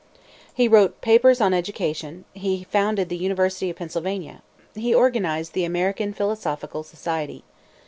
He wrote papers on education. He founded the University of Pennsylvania. He organized the American Philosophical Society.